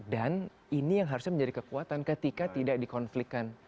dan ini yang harusnya menjadi kekuatan ketika tidak dikonflikkan